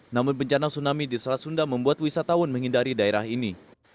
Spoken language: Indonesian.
namun bencana tsunami di selat sunda membuat wisatawan menghindari daerah ini